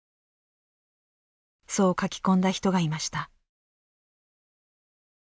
そう書き込んだ人がいました。